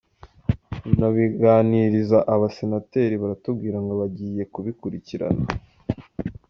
tunabiganiriza abasenateri baratubwira ngo bagiye kubikurikirana.